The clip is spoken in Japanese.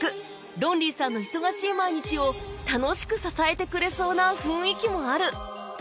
ロンリーさんの忙しい毎日を楽しく支えてくれそうな雰囲気もある